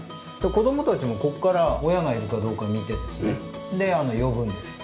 子どもたちもここから親がいるかどうか見てですねで呼ぶんです。